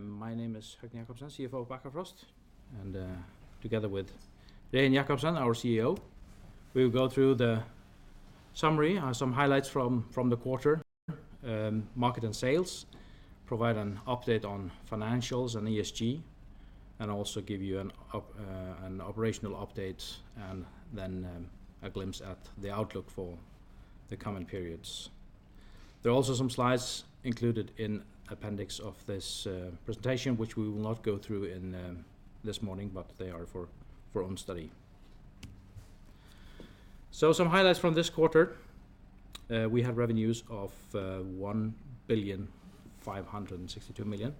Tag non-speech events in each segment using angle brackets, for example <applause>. My name is Høgni Jacobsen, CFO of Bakkafrost. Together with Regin Jacobsen, our CEO, we will go through the summary, some highlights from the quarter, market and sales, provide an update on financials and ESG, and also give you an operational update and then a glimpse at the outlook for the coming periods. There are also some slides included in appendix of this presentation, which we will not go through this morning, but they are for own study. Some highlights from this quarter: we had revenues of 1,562,000,000,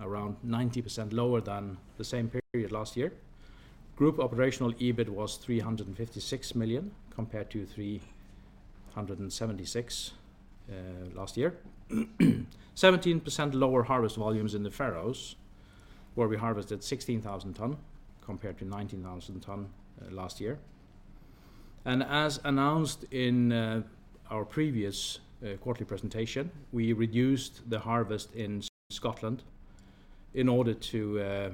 around 90% lower than the same period last year. Group operational EBIT was 356,000,000 compared to 376,000,000 last year. 17% lower harvest volumes in the Faroe Islands, where we harvested 16,000 tonnes compared to 19,000 tonnes last year. As announced in our previous quarterly presentation, we reduced the harvest in Scotland in order to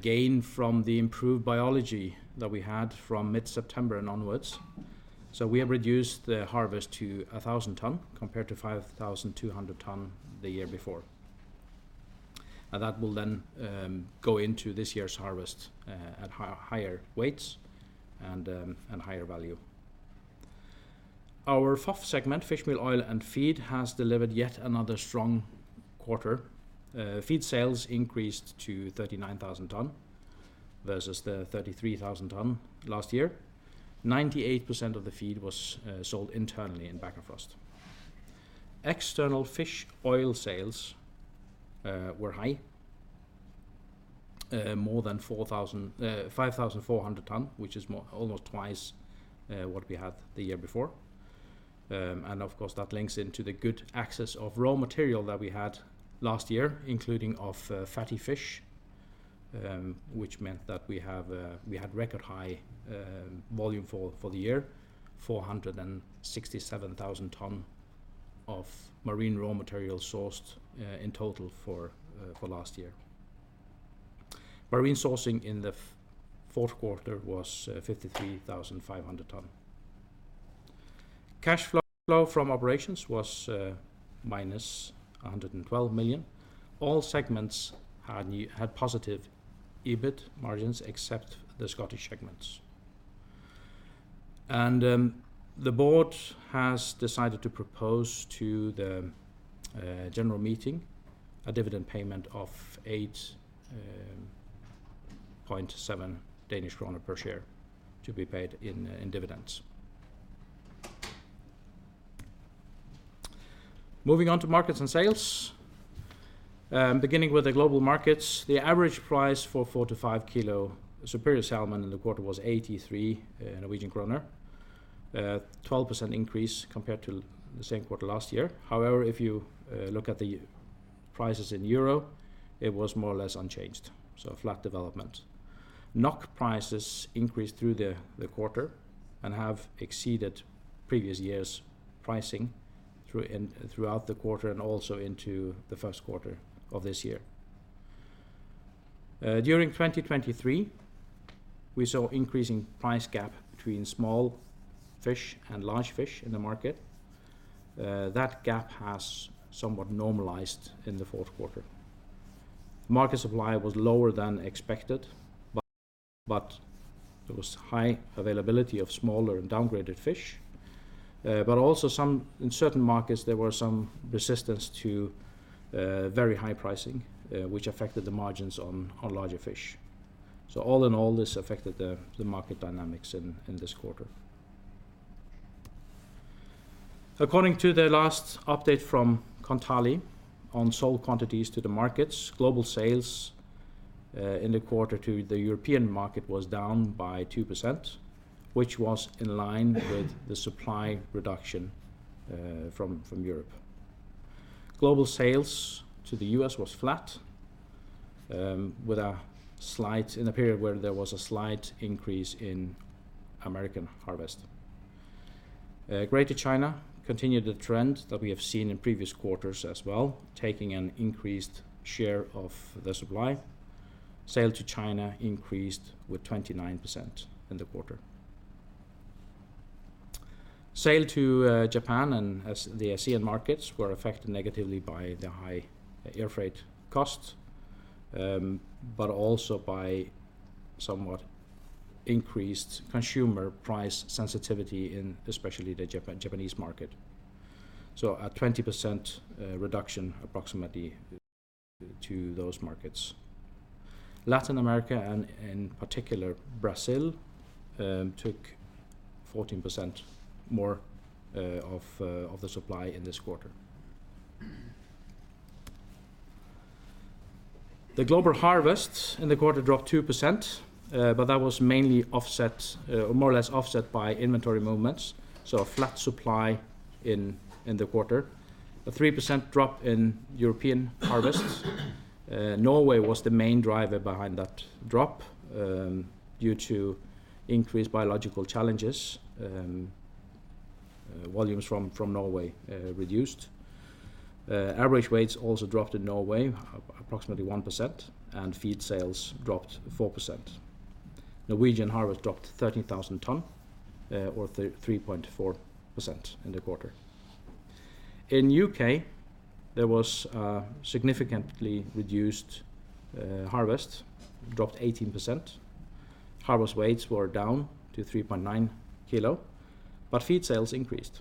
gain from the improved biology that we had from mid-September and onwards. We have reduced the harvest to 1,000 tonnes compared to 5,200 tonnes the year before. That will then go into this year's harvest at higher weights and higher value. Our FOF segment, fishmeal, oil, and feed, has delivered yet another strong quarter. Feed sales increased to 39,000 tonnes versus the 33,000 tonnes last year. 98% of the feed was sold internally in Bakkafrost. External fish oil sales were high, more than 5,400 tonnes, which is almost twice what we had the year before. Of course, that links into the good access of raw material that we had last year, including of fatty fish, which meant that we had record high volume for the year: 467,000 tonnes of marine raw material sourced in total for last year. Marine sourcing in the fourth quarter was 53,500 tonnes. Cash flow from operations was -112,000,000. All segments had positive EBIT margins except the Scottish segments. The board has decided to propose to the general meeting a dividend payment of 8.7 Danish kroner per share to be paid in dividends. Moving on to markets and sales. Beginning with the global markets, the average price for 4-5 kg Superior salmon in the quarter was 83 Norwegian kroner, a 12% increase compared to the same quarter last year. However, if you look at the prices in EUR, it was more or less unchanged, so a flat development. NOK prices increased through the quarter and have exceeded previous years' pricing throughout the quarter and also into the first quarter of this year. During 2023, we saw an increasing price gap between small fish and large fish in the market. That gap has somewhat normalized in the fourth quarter. Market supply was lower than expected, but there was high availability of smaller and downgraded fish. But also, in certain markets, there was some resistance to very high pricing, which affected the margins on larger fish. So all in all, this affected the market dynamics in this quarter. According to the last update from Kontali on sold quantities to the markets, global sales in the quarter to the European market was down by 2%, which was in line with the supply reduction from Europe. Global sales to the U.S. was flat, with a slight in a period where there was a slight increase in American harvest. Growth to China continued the trend that we have seen in previous quarters as well, taking an increased share of the supply. Sale to China increased with 29% in the quarter. Sale to Japan and the ASEAN markets were affected negatively by the high air freight costs, but also by somewhat increased consumer price sensitivity, especially the Japanese market. So a 20% reduction approximately to those markets. Latin America, and in particular Brazil, took 14% more of the supply in this quarter. The global harvests in the quarter dropped 2%, but that was mainly offset or more or less offset by inventory movements, so a flat supply in the quarter. A 3% drop in European harvests. Norway was the main driver behind that drop due to increased biological challenges. Volumes from Norway reduced. Average weights also dropped in Norway, approximately 1%, and feed sales dropped 4%. Norwegian harvest dropped 13,000 tonnes, or 3.4% in the quarter. In the UK, there was a significantly reduced harvest, dropped 18%. Harvest weights were down to 3.9 kilos, but feed sales increased.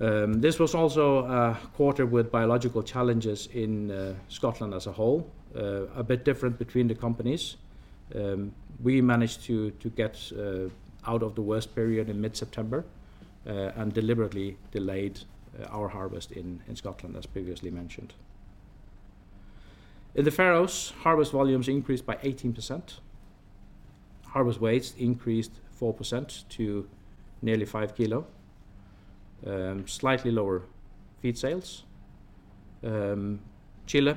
This was also a quarter with biological challenges in Scotland as a whole, a bit different between the companies. We managed to get out of the worst period in mid-September and deliberately delayed our harvest in Scotland, as previously mentioned. In the Faroe Islands, harvest volumes increased by 18%. Harvest weights increased 4% to nearly 5 kilos. Slightly lower feed sales. Chile,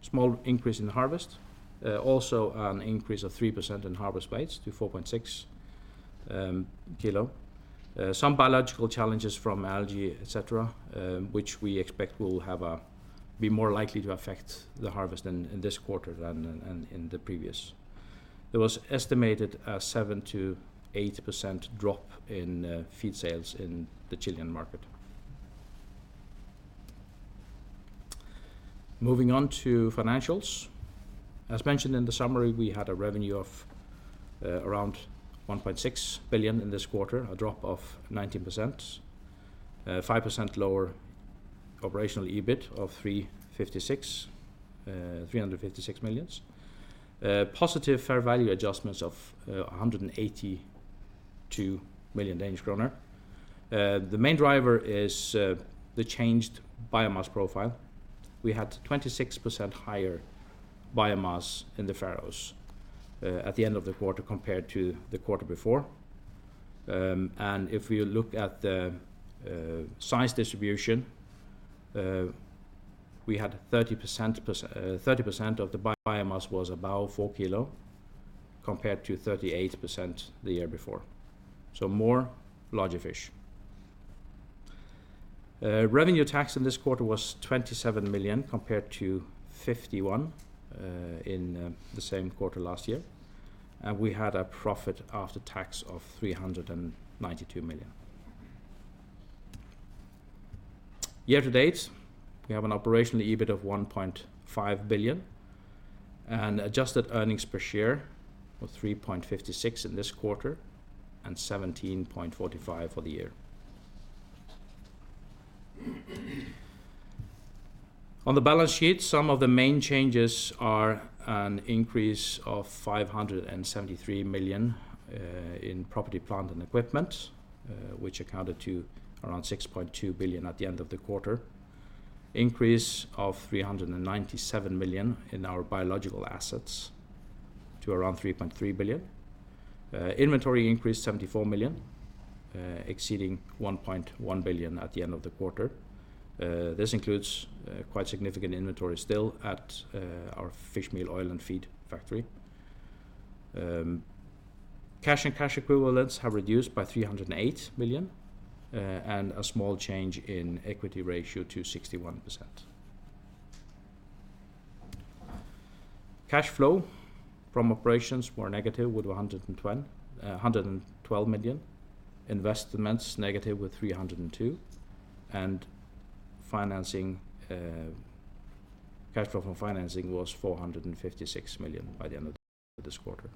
small increase in the harvest, also an increase of 3% in harvest weights to 4.6 kilos. Some biological challenges from algae, etc., which we expect will be more likely to affect the harvest in this quarter than in the previous. There was estimated a 7%-8% drop in feed sales in the Chilean market. Moving on to financials. As mentioned in the summary, we had a revenue of around 1.6 billion in this quarter, a drop of 19%, 5% lower operational EBIT of 356 million, positive fair value adjustments of 182 million Danish kroner. The main driver is the changed biomass profile. We had 26% higher biomass in the Faroe Islands at the end of the quarter compared to the quarter before. And if we look at the size distribution, we had 30% of the biomass was about 4 kilos compared to 38% the year before. More larger fish. Revenue tax in this quarter was 27 million compared to 51 million in the same quarter last year. We had a profit after tax of 392 million. Year to date, we have an operational EBIT of 1.5 billion and adjusted earnings per share of 3.56 in this quarter and 17.45 for the year. On the balance sheet, some of the main changes are an increase of 573 million in property, plant, and equipment, which accounted to around 6.2 billion at the end of the quarter. Increase of 397 million in our biological assets to around 3.3 billion. Inventory increased 74 million, exceeding 1.1 billion at the end of the quarter. This includes quite significant inventory still at our fishmeal oil and feed factory. Cash and cash equivalents have reduced by 308 million and a small change in equity ratio to 61%. Cash flow from operations were negative with 112 million. Investments negative with 302 million. Cash flow from financing was 456 million by the end of this quarter.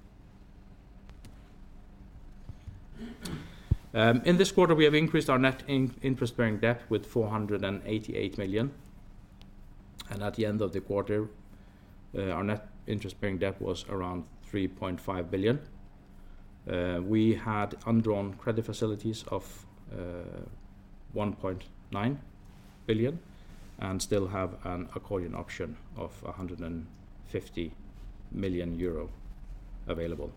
In this quarter, we have increased our net interest bearing debt with 488 million. At the end of the quarter, our net interest bearing debt was around 3.5 billion. We had undrawn credit facilities of 1.9 billion and still have an accordion option of 150 million euro available.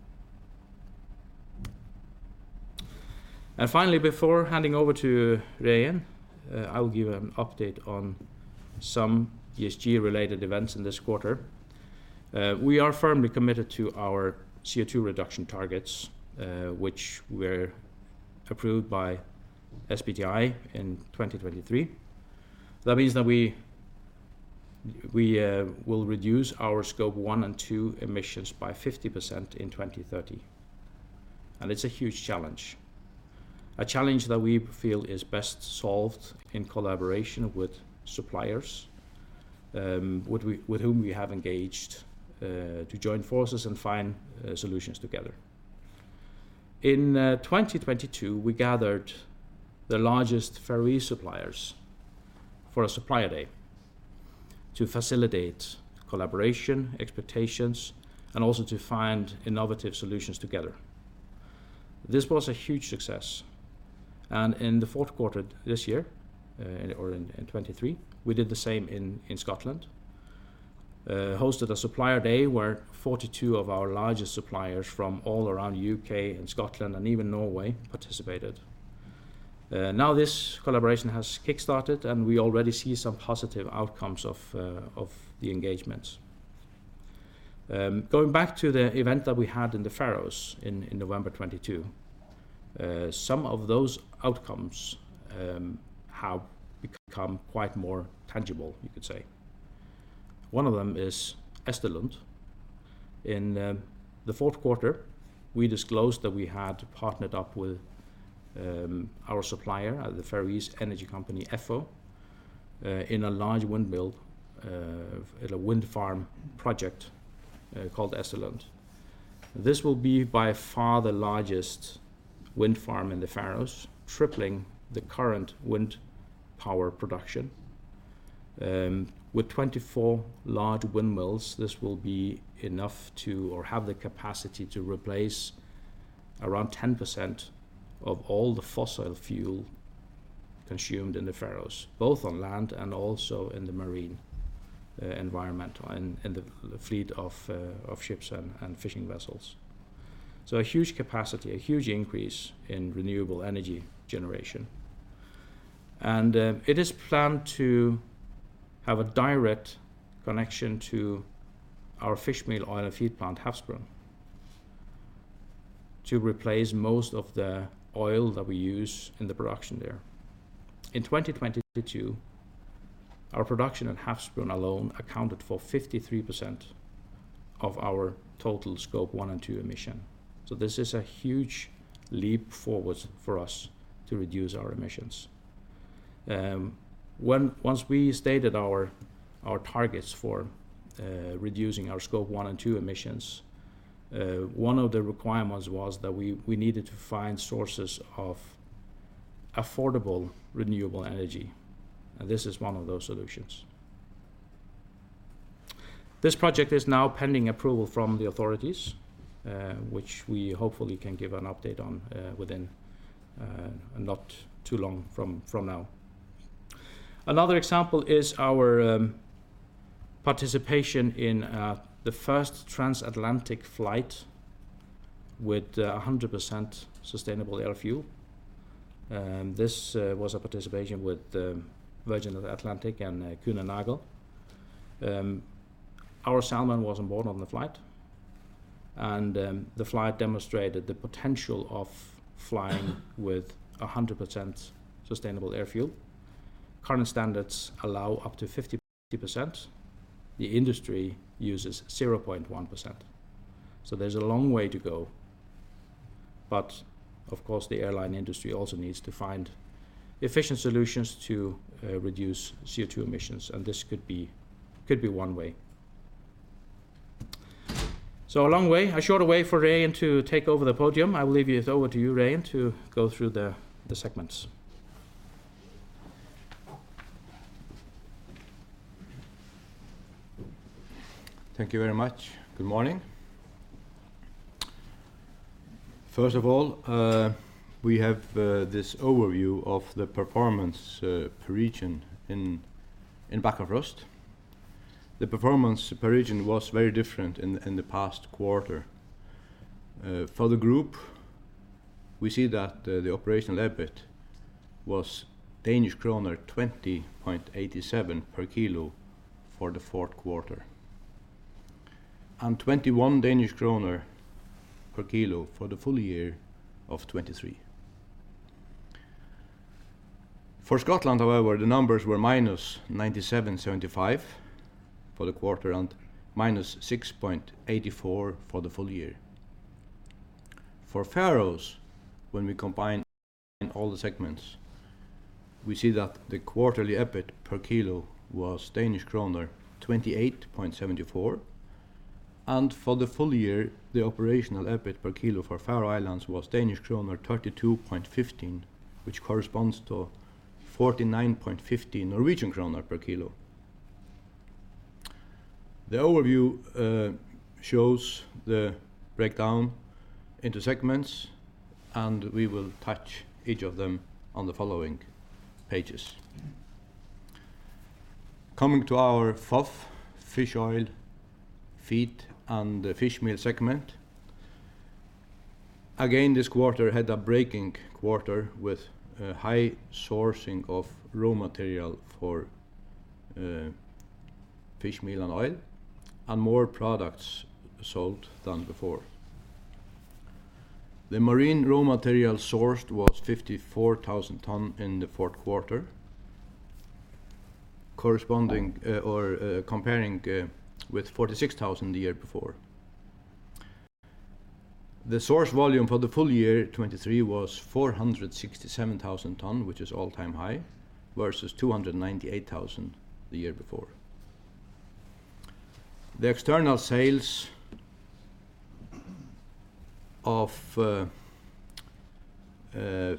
Finally, before handing over to Regin, I will give an update on some ESG-related events in this quarter. We are firmly committed to our CO2 reduction targets, which were approved by SBTi in 2023. That means that we will reduce our Scope 1 and 2 emissions by 50% in 2030. It's a huge challenge. A challenge that we feel is best solved in collaboration with suppliers, with whom we have engaged to join forces and find solutions together. In 2022, we gathered the largest Faroese suppliers for a supplier day to facilitate collaboration, expectations, and also to find innovative solutions together. This was a huge success. In the fourth quarter this year, or in 2023, we did the same in Scotland, hosted a supplier day where 42 of our largest suppliers from all around the UK and Scotland and even Norway participated. Now this collaboration has kickstarted, and we already see some positive outcomes of the engagements. Going back to the event that we had in the Faroe Islands in November 2022, some of those outcomes have become quite more tangible, you could say. One of them is Eysturlund. In the fourth quarter, we disclosed that we had partnered up with our supplier, the Faroese energy company Effo, in a large windmill at a wind farm project called Eysturlund. This will be by far the largest wind farm in the Faroe Islands, tripling the current wind power production. With 24 large windmills, this will be enough to or have the capacity to replace around 10% of all the fossil fuel consumed in the Faroe Islands, both on land and also in the marine environment in the fleet of ships and fishing vessels. So a huge capacity, a huge increase in renewable energy generation. It is planned to have a direct connection to our fishmeal, oil, and feed plant, Havsbrún, to replace most of the oil that we use in the production there. In 2022, our production at Havsbrún alone accounted for 53% of our total Scope 1 and 2 emissions. So this is a huge leap forward for us to reduce our emissions. Once we stated our targets for reducing our Scope 1 and 2 emissions, one of the requirements was that we needed to find sources of affordable renewable energy. This is one of those solutions. This project is now pending approval from the authorities, which we hopefully can give an update on within not too long from now. Another example is our participation in the first transatlantic flight with 100% sustainable aviation fuel. This was a participation with Virgin Atlantic and Kuehne+Nagel. Our salmon was on board on the flight. The flight demonstrated the potential of flying with 100% sustainable air fuel. Current standards allow up to 50%. The industry uses 0.1%. There's a long way to go. Of course, the airline industry also needs to find efficient solutions to reduce CO2 emissions. This could be one way. A long way, a short way for Regin to take over the podium. I will leave it over to you, Regin, to go through the segments. Thank you very much. Good morning. First of all, we have this overview of the performance per region in Bakkafrost. The performance per region was very different in the past quarter. For the group, we see that the operational EBIT was Danish kroner 20.87 per kilo for the fourth quarter and 21 Danish kroner per kilo for the full year of 2023. For Scotland, however, the numbers were -97.75 for the quarter and -6.84 for the full year. For Faroe Islands, when we combine all the segments, we see that the quarterly EBIT per kilo was Danish kroner 28.74. For the full year, the operational EBIT per kilo for Faroe Islands was Danish kroner 32.15, which corresponds to 49.50 Norwegian kroner per kilo. The overview shows the breakdown into segments, and we will touch each of them on the following pages. Coming to our FOF, fish oil, feed, and fish meal segment, again, this quarter had a breakout quarter with high sourcing of raw material for fish meal and oil and more products sold than before. The marine raw material sourced was 54,000 tonnes in the fourth quarter, comparing with 46,000 the year before. The source volume for the full year, 2023, was 467,000 tonnes, which is an all-time high, versus 298,000 the year before. The external sales of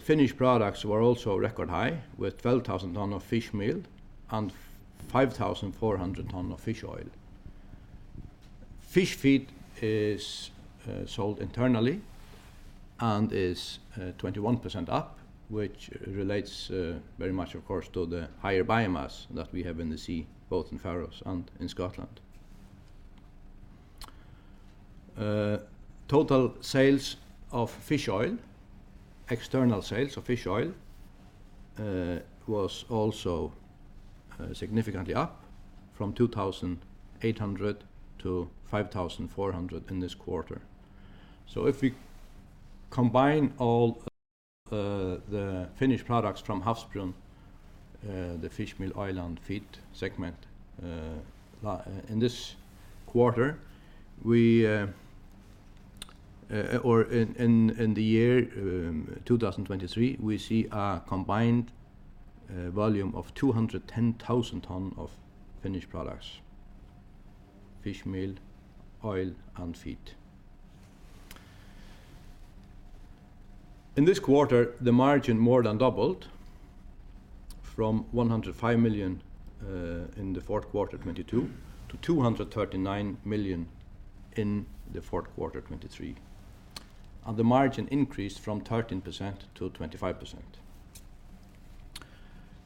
finished products were also record high, with 12,000 tonnes of fish meal and 5,400 tonnes of fish oil. Fish feed is sold internally and is 21% up, which relates very much, of course, to the higher biomass that we have in the sea, both in Faroe Islands and in Scotland. Total sales of fish oil, external sales of fish oil, was also significantly up from 2,800 to 5,400 in this quarter. So if we combine all the finished products from Havsbrún, the fish meal, oil and feed segment in this quarter, or in the year 2023, we see a combined volume of 210,000 tonnes of finished products, fish meal, oil, and feed. In this quarter, the margin more than doubled from 105 million in the fourth quarter, 2022, to 239 million in the fourth quarter, 2023. The margin increased from 13%-25%.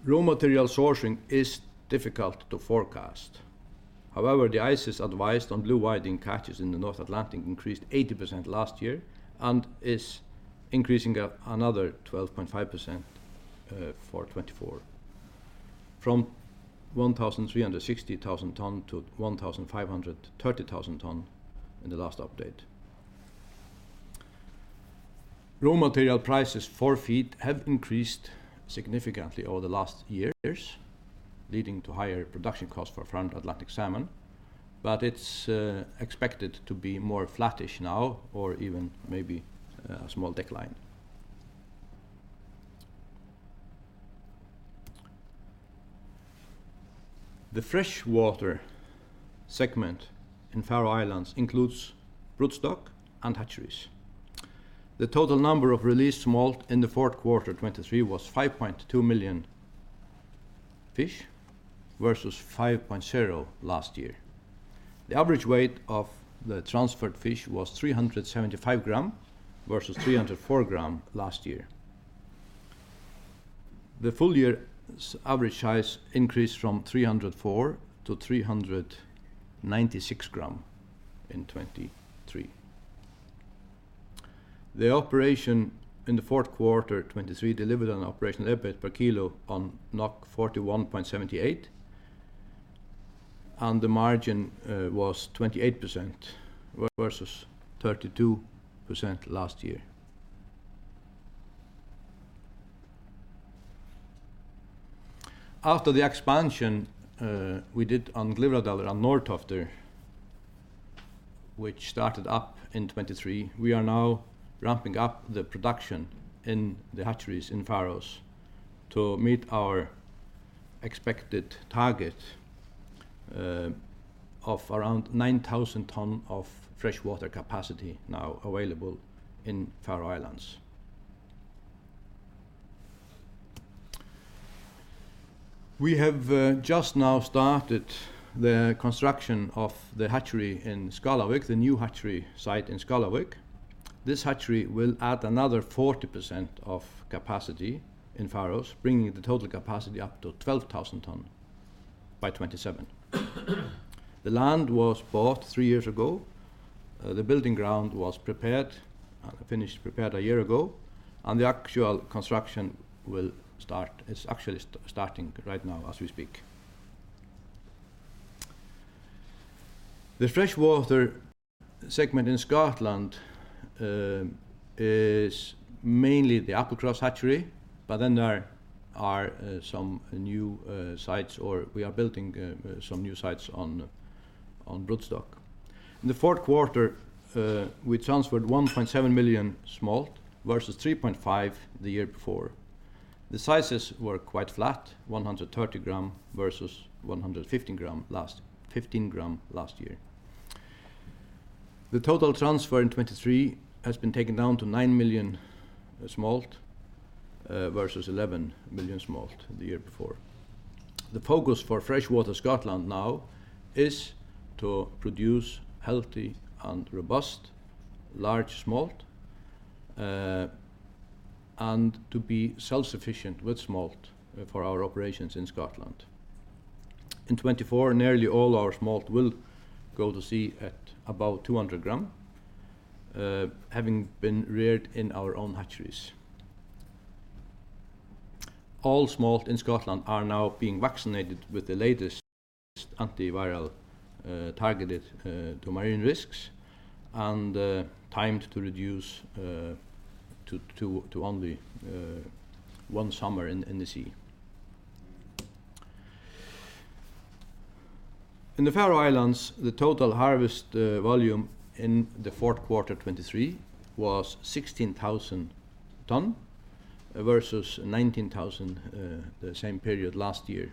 Raw material sourcing is difficult to forecast. However, the ICES advice on blue whiting catches in the North Atlantic increased 80% last year and is increasing another 12.5% for 2024, from 1,360,000 tonnes to 1,530,000 tonnes in the last update. Raw material prices for feed have increased significantly over the last years, leading to higher production costs for farmed Atlantic salmon. It's expected to be more flattish now or even maybe a small decline. The freshwater segment in Faroe Islands includes broodstock and hatcheries. The total number of released smolt in the fourth quarter, 2023, was 5.2 million fish versus 5.0 million last year. The average weight of the transferred fish was 375 grams versus 304 grams last year. The full year's average size increased from 304 to 396 grams in 2023. The operation in the fourth quarter 2023 delivered an operational EBIT per kilo of 41.78. And the margin was 28% versus 32% last year. After the expansion we did on Glyvradalur and Norðtoftir, which started up in 2023, we are now ramping up the production in the hatcheries in Faroe Islands to meet our expected target of around 9,000 tonnes of freshwater capacity now available in Faroe Islands. We have just now started the construction of the hatchery in Skálavík, the new hatchery site in Skálavík. This hatchery will add another 40% of capacity in Faroe Islands, bringing the total capacity up to 12,000 tonnes by 2027. The land was bought three years ago. The building ground was finished prepared a year ago. The actual construction is actually starting right now as we speak. The freshwater segment in Scotland is mainly the Applecross hatchery. But then there are some new sites, or we are building some new sites on broodstock. In the fourth quarter, we transferred 1.7 million smolt versus 3.5 million the year before. The sizes were quite flat, 130 grams versus 115 grams last year. The total transfer in 2023 has been taken down to 9 million smolt versus 11 million smolt the year before. The focus for Freshwater Scotland now is to produce healthy and robust large smolt and to be self-sufficient with smolt for our operations in Scotland. In 2024, nearly all our smolt will go to sea at about 200 grams, having been reared in our own hatcheries. All smolt in Scotland are now being vaccinated with the latest antiviral targeted to marine risks and timed to reduce to only one summer in the sea. In the Faroe Islands, the total harvest volume in the fourth quarter 2023 was 16,000 tonnes versus 19,000 the same period last year.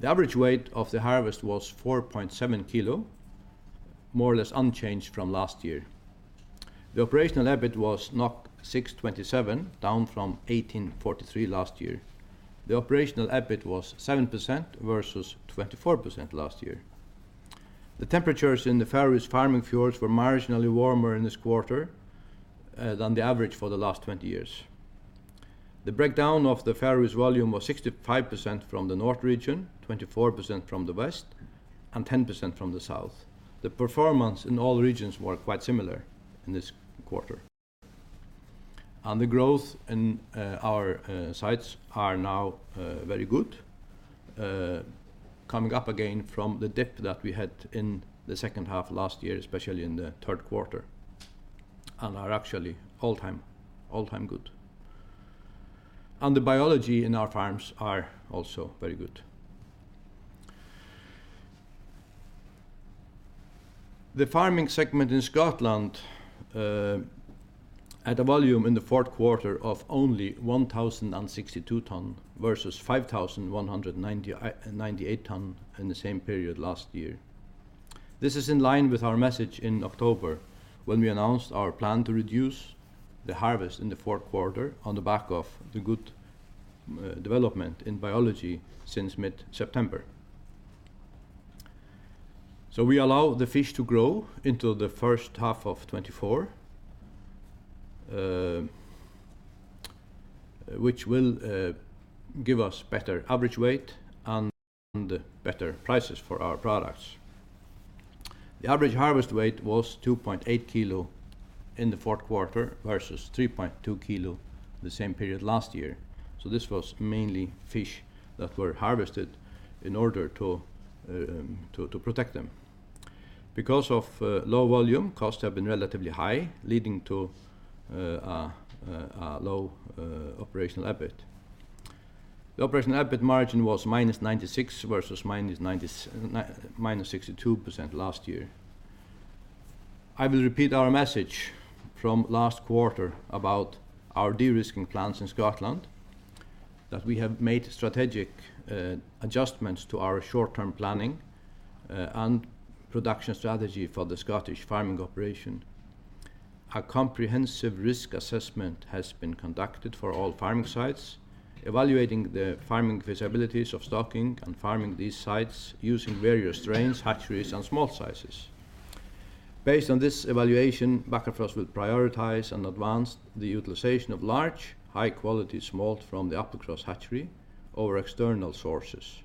The average weight of the harvest was 4.7 kilos, more or less unchanged from last year. The operational EBIT was 627, down from 1,843 last year. The operational EBIT was 7% versus 24% last year. The temperatures in the Faroe Islands' farming fjords were marginally warmer in this quarter than the average for the last 20 years. The breakdown of the Faroe Islands' volume was 65% from the north region, 24% from the west, and 10% from the south. The performance in all regions were quite similar in this quarter. And the growth in our sites is now very good, coming up again from the dip that we had in the second half last year, especially in the third quarter, and is actually all-time good. The biology in our farms is also very good. The farming segment in Scotland had a volume in the fourth quarter of only 1,062 tonnes versus 5,198 tonnes in the same period last year. This is in line with our message in October when we announced our plan to reduce the harvest in the fourth quarter on the back of the good development in biology since mid-September. We allow the fish to grow into the first half of 2024, which will give us better average weight and better prices for our products. The average harvest weight was 2.8 kilos in the fourth quarter versus 3.2 kilos the same period last year. This was mainly fish that were harvested in order to protect them. Because of low volume, costs have been relatively high, leading to a low operational EBIT. The operational EBIT margin was -96% versus -62% last year. I will repeat our message from last quarter about our de-risking plans in Scotland, that we have made strategic adjustments to our short-term planning and production strategy for the Scottish farming operation. A comprehensive risk assessment has been conducted for all farming sites, evaluating the farming feasibilities of stocking and farming these sites using various strains, hatcheries, and small sizes. Based on this evaluation, Bakkafrost will prioritize and advance the utilization of large, high-quality smolt from the Applecross hatchery over external sources.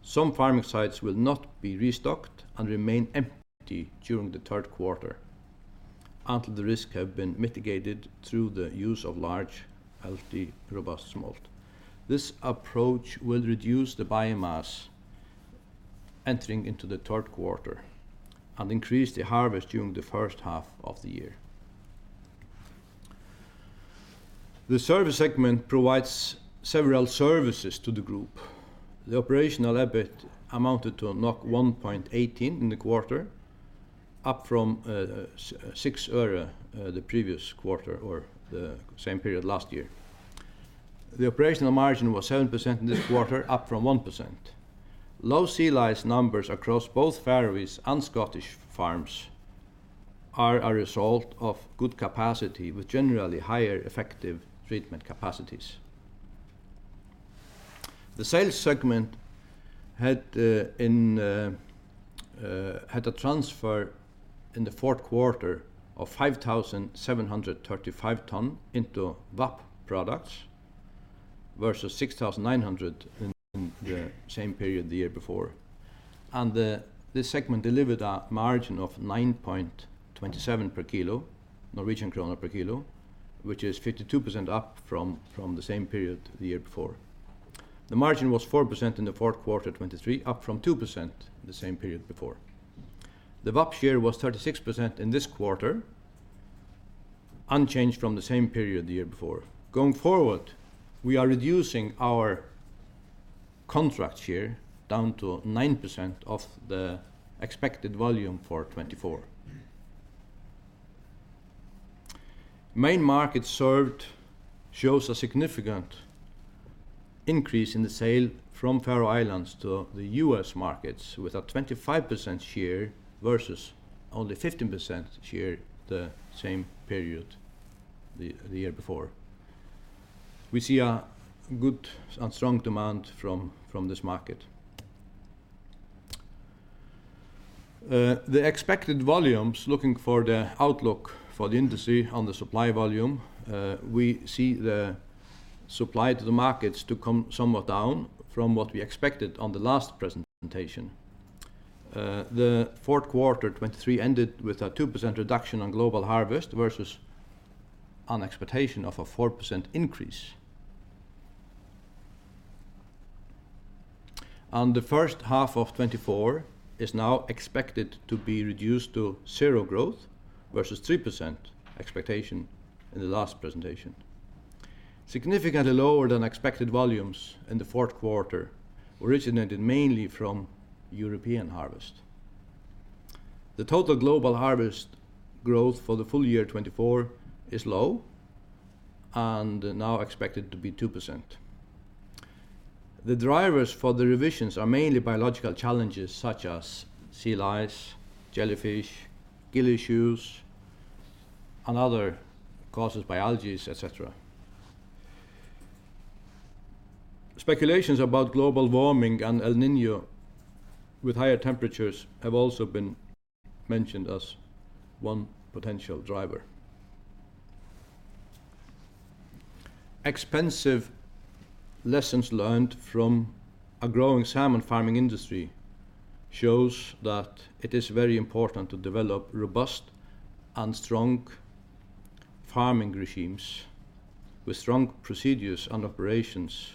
Some farming sites will not be restocked and remain empty during the third quarter until the risks have been mitigated through the use of large, healthy, robust smolt. This approach will reduce the biomass entering into the third quarter and increase the harvest during the first half of the year. The service segment provides several services to the group. The operational EBIT amounted to 1.18 in the quarter, up from 6 øre the previous quarter or the same period last year. The operational margin was 7% in this quarter, up from 1%. Low sea lice numbers across both Faroe Islands and Scottish farms are a result of good capacity with generally higher effective treatment capacities. The sales segment had a transfer in the fourth quarter of 5,735 tonnes into VAP products versus 6,900 in the same period the year before. This segment delivered a margin of 9.27 per kilo, Norwegian kroner per kilo, which is 52% up from the same period the year before. The margin was 4% in the fourth quarter, 2023, up from 2% the same period before. The VAP share was 36% in this quarter, unchanged from the same period the year before. Going forward, we are reducing our contract share down to 9% of the expected volume for 2024. Main markets show a significant increase in the sale from Faroe Islands to the U.S. markets with a 25% share versus only 15% share the same period the year before. We see a good and strong demand from this market. The expected volumes, looking for the outlook for the industry on the supply volume, we see the supply to the markets to come somewhat down from what we expected on the last presentation. The fourth quarter, 2023, ended with a 2% reduction on global harvest versus an expectation of a 4% increase. And the first half of 2024 is now expected to be reduced to zero growth versus 3% expectation in the last presentation, significantly lower than expected volumes in the fourth quarter, originated mainly from European harvest. The total global harvest growth for the full year, 2024, is low and now expected to be 2%. The drivers for the revisions are mainly biological challenges such as sea lice, jellyfish, gill issues, and other causes by algae, etc. Speculations about global warming and El Niño with higher temperatures have also been mentioned as one potential driver. Expensive lessons learned from a growing salmon farming industry show that it is very important to develop robust and strong farming regimes with strong procedures and operations,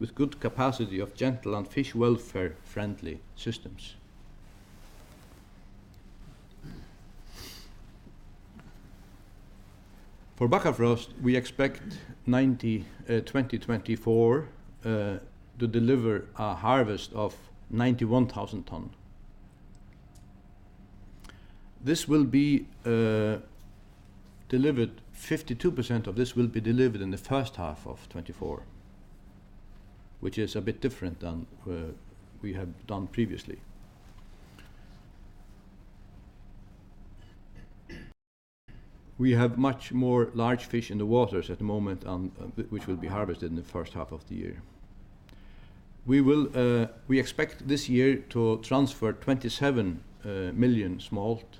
with good capacity of gentle and fish-welfare-friendly systems. For Bakkafrost, we expect 2024 to deliver a harvest of 91,000 tonnes. 52% of this will be delivered in the first half of 2024, which is a bit different than we have done previously. We have much more large fish in the waters at the moment, which will be harvested in the first half of the year. We expect this year to transfer 27 million smolt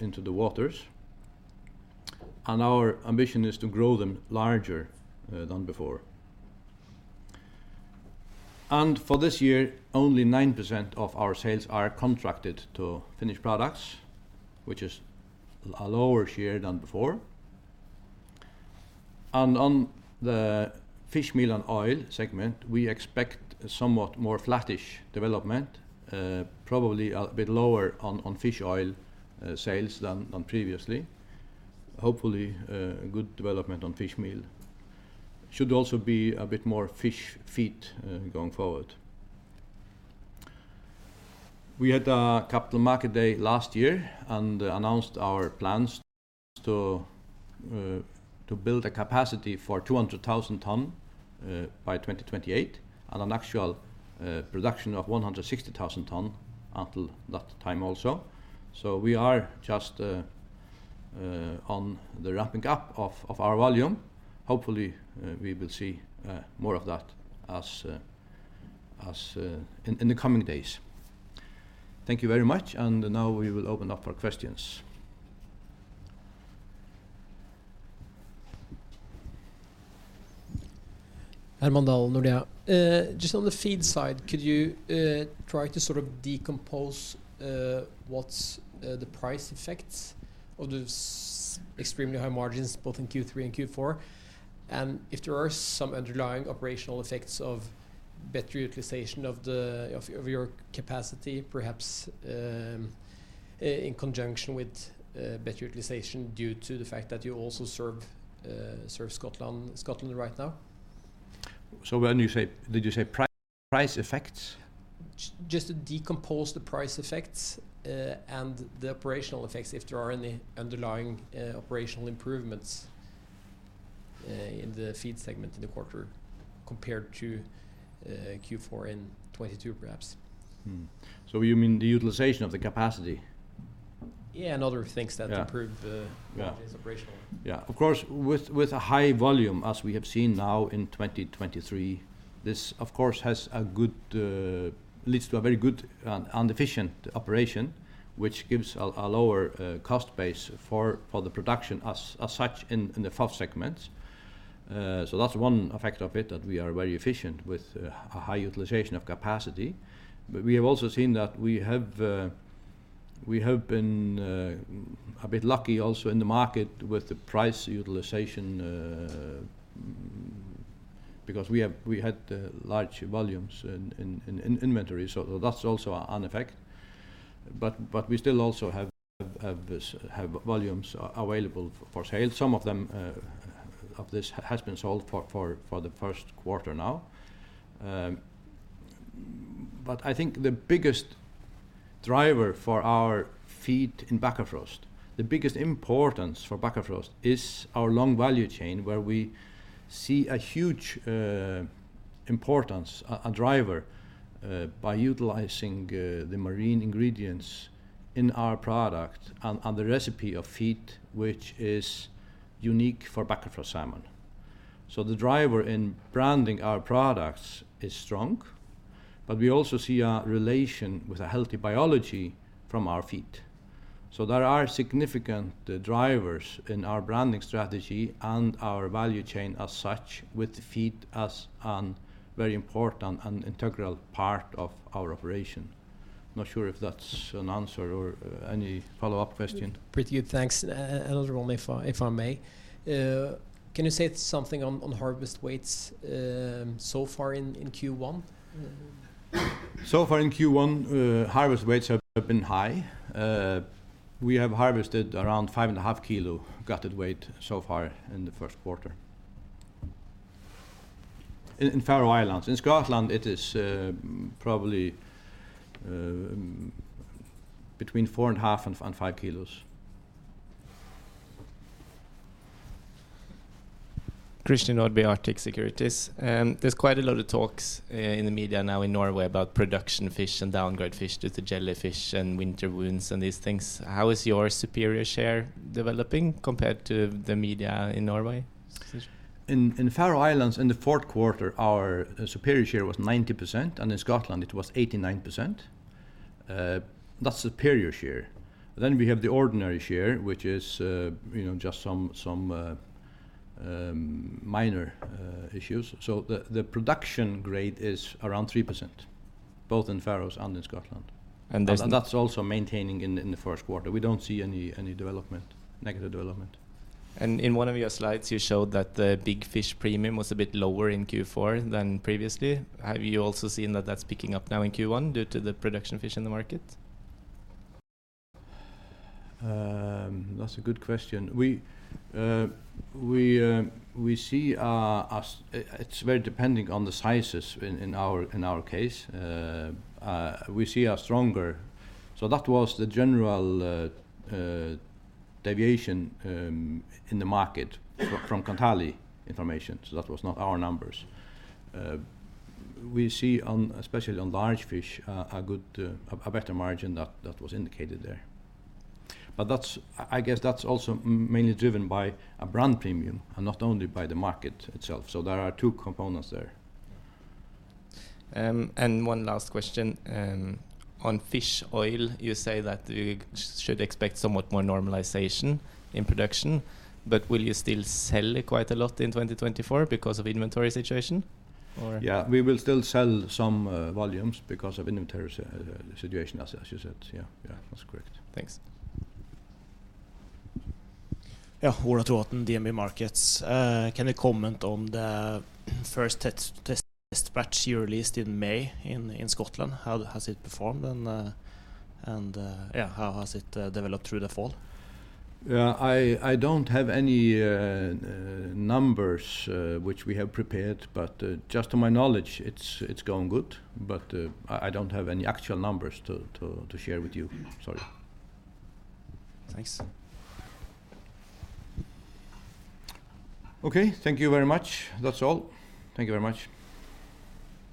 into the waters. Our ambition is to grow them larger than before. For this year, only 9% of our sales are contracted to finished products, which is a lower share than before. On the fish meal and oil segment, we expect somewhat more flattish development, probably a bit lower on fish oil sales than previously. Hopefully, good development on fish meal should also be a bit more fish feed going forward. We had a Capital Market Day last year and announced our plans to build a capacity for 200,000 tonnes by 2028 and an actual production of 160,000 tonnes until that time also. So we are just on the ramping up of our volume. Hopefully, we will see more of that in the coming days. Thank you very much. Now we will open up for questions. Herman Dahl, Nordea. Just on the feed side, could you try to sort of decompose what's the price effects of the extremely high margins, both in Q3 and Q4, and if there are some underlying operational effects of better utilization of your capacity, perhaps in conjunction with better utilization due to the fact that you also serve Scotland right now? So when you say, did you say price effects? Just to decompose the price effects and the operational effects if there are any underlying operational improvements in the feed segment in the quarter compared to Q4 in 2022, perhaps. You mean the utilization of the capacity? Yeah, and other things that improve Nordea's operational. Yeah. Of course, with a high volume as we have seen now in 2023, this, of course, leads to a very good and efficient operation, which gives a lower cost base for the production as such in the FOF segments. So that's one effect of it, that we are very efficient with a high utilization of capacity. But we have also seen that we have been a bit lucky also in the market with the price utilization because we had large volumes in inventory. So that's also an effect. But we still also have volumes available for sale. Some of this has been sold for the first quarter now. But I think the biggest driver for our feed in Bakkafrost, the biggest importance for Bakkafrost, is our long value chain, where we see a huge importance, a driver, by utilizing the marine ingredients in our product and the recipe of feed, which is unique for Bakkafrost salmon. So the driver in branding our products is strong, but we also see a relation with a healthy biology from our feed. So there are significant drivers in our branding strategy and our value chain as such, with feed as a very important and integral part of our operation. Not sure if that's an answer or any follow-up question. Pretty good. Thanks. <audio distortion> if I may, can you say something on harvest weights so far in Q1? So far in Q1, harvest weights have been high. We have harvested around 5.5 kilos gutted weight so far in the first quarter in Faroe Islands. In Scotland, it is probably between 4.5-5 kilos. Christian Nordby, Arctic Securities. There's quite a lot of talks in the media now in Norway about production fish and downgrade fish due to jellyfish and winter wounds and these things. How is your superior share developing compared to the media in Norway? In Faroe Islands, in the fourth quarter, our superior share was 90%, and in Scotland, it was 89%. That's superior share. Then we have the ordinary share, which is just some minor issues. So the production grade is around 3%, both in Faroe Islands and in Scotland. And that's also maintaining in the first quarter. We don't see any development, negative development. In one of your slides, you showed that the big fish premium was a bit lower in Q4 than previously. Have you also seen that that's picking up now in Q1 due to the production fish in the market? That's a good question. It's very depending on the sizes in our case. We see a stronger so that was the general deviation in the market from Kontali information. So that was not our numbers. We see, especially on large fish, a better margin that was indicated there. But I guess that's also mainly driven by a brand premium and not only by the market itself. So there are two components there. One last question. On fish oil, you say that we should expect somewhat more normalization in production. But will you still sell quite a lot in 2024 because of inventory situation, or? Yeah, we will still sell some volumes because of inventory situation, as you said. Yeah, yeah, that's correct. Thanks. Yeah, Ola Trovatn, DNB Markets. Can you comment on the first test batch you released in May in Scotland? How has it performed? And yeah, how has it developed through the fall? I don't have any numbers which we have prepared. But just to my knowledge, it's going good. But I don't have any actual numbers to share with you. Sorry. Thanks. Okay. Thank you very much. That's all. Thank you very much.